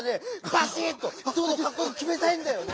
バシッとひとことかっこよくきめたいんだよね！